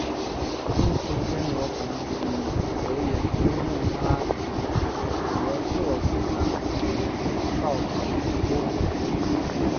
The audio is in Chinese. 秘书监牛弘以德源推荐他与着作郎王邵同修国史。